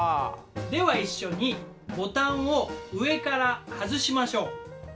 では一緒にボタンを上から外しましょう。